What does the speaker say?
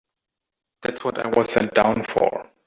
That's what I was sent down for.